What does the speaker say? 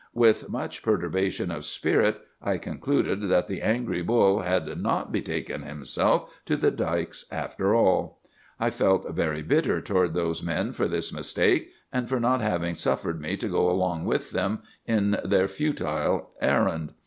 With much perturbation of spirit I concluded that the angry bull had not betaken himself to the dikes after all. "'I felt very bitter toward those men for this mistake, and for not having suffered me to go along with them on their futile errand.